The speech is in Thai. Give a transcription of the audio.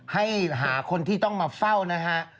ให้หาคนที่ต้องมาเฝ้านะฮะ